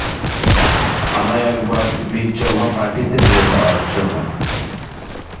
আমায় এক bat mitzvah পার্টিতে নিয়ে যাওয়ার জন্য।